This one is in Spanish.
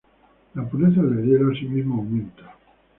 La pureza del hielo asimismo aumenta.